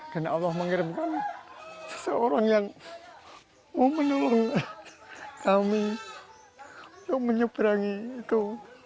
dan allah mengirimkan seseorang yang mau menolong kami untuk menyeberangi itu